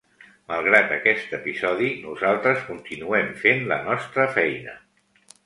Malgrat aquest episodi, nosaltres continuem fent la nostra feina.